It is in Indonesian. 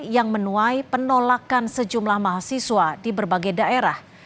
yang menuai penolakan sejumlah mahasiswa di berbagai daerah